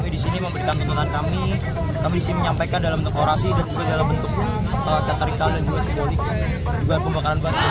di sini memberikan tuntutan kami kami menyampaikan dalam dekorasi dan juga dalam bentuk